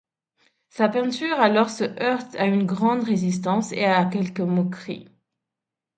Sa peinture alors se heurte à une grande résistance et à quelques moqueries.